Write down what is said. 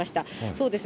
そうです。